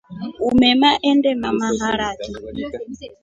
Umema endema maharaki.